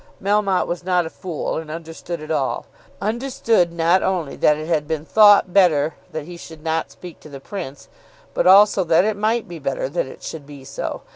Melmotte was not a fool, and understood it all; understood not only that it had been thought better that he should not speak to the Prince, but also that it might be better that it should be so.